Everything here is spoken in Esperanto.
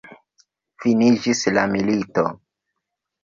Finiĝis la milito!